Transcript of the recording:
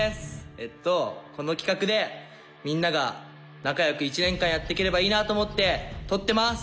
えっとこの企画でみんなが仲良く１年間やっていければいいなと思って撮ってます！